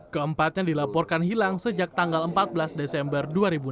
keempatnya dilaporkan hilang sejak tanggal empat belas desember dua ribu enam belas